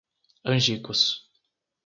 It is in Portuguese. Angicos